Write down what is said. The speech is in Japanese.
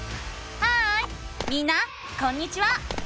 ハーイみんなこんにちは！